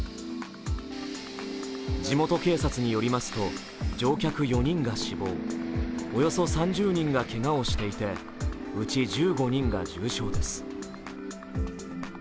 地元警察によりますと乗客４人が死亡、およそ３０人がけがをしていてうち１５人が重傷です。